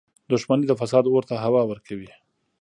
• دښمني د فساد اور ته هوا ورکوي.